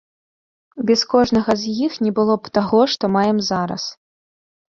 Без кожнага з іх не было б таго, што маем зараз.